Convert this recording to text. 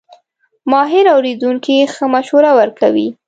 ماهر اورېدونکی ښه مشوره ورکوي.